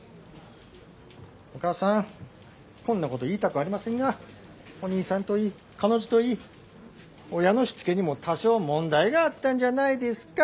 お母さんこんなこと言いたくありませんがお兄さんといい彼女といい親のしつけにも多少問題があったんじゃないですか。